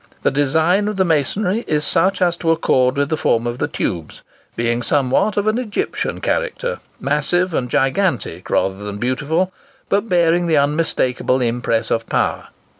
The design of the masonry is such as to accord with the form of the tubes, being somewhat of an Egyptian character, massive and gigantic rather than beautiful, but bearing the unmistakable impress of power.